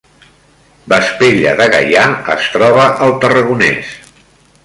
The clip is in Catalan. Vespella de Gaià es troba al Tarragonès